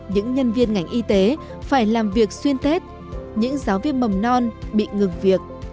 những nhân viên ngành y tế phải làm việc xuyên tết những giáo viên mầm non bị ngừng việc